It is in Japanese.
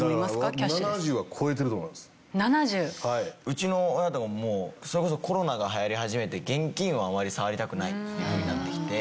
うちの親とかもそれこそコロナが流行り始めて現金をあまり触りたくないっていうふうになってきて。